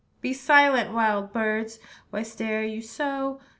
"Be silent, wild birds! Why stare you so?